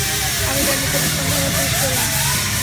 আমি তার নিকট ইসলাম ধর্ম পেশ করলাম।